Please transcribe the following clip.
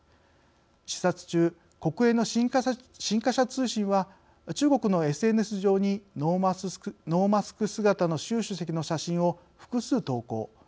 視察中、国営の新華社通信は中国のＳＮＳ上にノーマスク姿の習主席の写真を複数投稿。